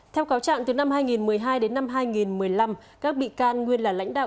theo cáo trạng từ năm hai nghìn một mươi hai đến năm hai nghìn một mươi năm các bị can nguyên là lãnh đạo